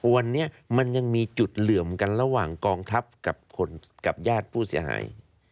วันนี้มันยังมีจุดเหลื่อมกันระหว่างกองทัพกับคนกับญาติผู้เสียหาย